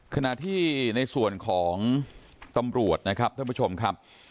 ขณะที่ในส่วนของตำรวจนะครับท่านผู้ชมครับ